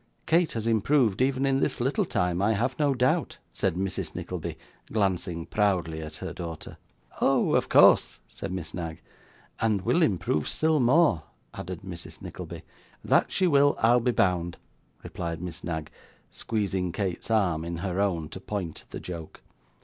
'Kate has improved even in this little time, I have no doubt,' said Mrs Nickleby, glancing proudly at her daughter. 'Oh! of course,' said Miss Knag. 'And will improve still more,' added Mrs. Nickleby. 'That she will, I'll be bound,' replied Miss Knag, squeezing Kate's arm in her own, to point the joke.